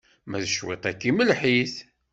Ma d cwiṭ-agi, melleḥ-it!